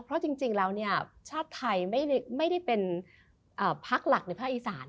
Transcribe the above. เพราะจริงแล้วชาติไทยไม่ได้เป็นพักหลักในภาคอีสาน